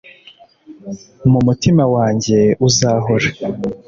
mu mutima wanjye uzahora